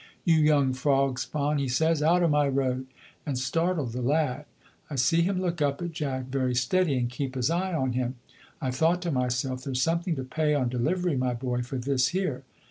you young frog spawn,' he says, 'out of my road,' and startled the lad. I see him look up at Jack very steady, and keep his eye on him. I thought to myself, 'There's something to pay on delivery, my boy, for this here.'